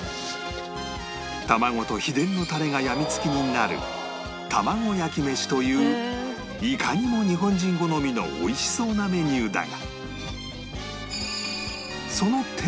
卵と秘伝のタレが病みつきになる玉子焼きめしといういかにも日本人好みの美味しそうなメニューだが